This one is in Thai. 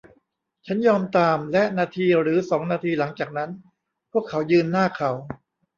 ฉันยอมตาม และนาทีหรือสองนาทีหลังจากนั้นพวกเขายืนหน้าเขา